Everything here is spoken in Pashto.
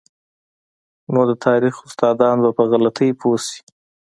نو د تاریخ استادان به په غلطۍ پوه شي.